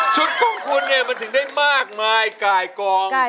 ของคุณเนี่ยมันถึงได้มากมายไก่กอง